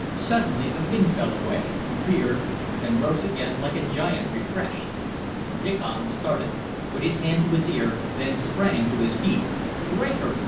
Suddenly the wind fell away, veered, and rose again like a giant refreshed. Diccon started, put his hand to his ear, then sprang to his feet. "Breakers!"